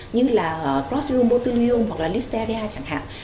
như là clostridium botulium hoặc là listeria chẳng hạn